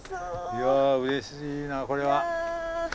いやうれしいなこれは。